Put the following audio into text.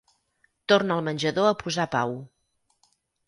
Torna al menjador a posar pau.